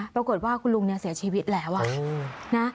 ปรากฏว่าคุณลุงเนี่ยเสียชีวิตแล้วนะ